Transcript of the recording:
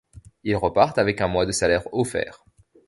Ils repartent avec un mois de salaire offert.